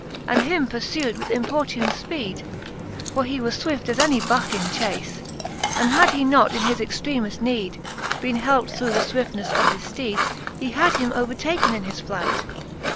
And him pur(ewed with importune {peed, (For he was fwift as any bucke in chace) And had he not in his extreme{l need Bene helped through the fwiftnefle of his {leed, He had him overtaken in his flight.